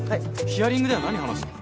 ヒアリングでは何話したの？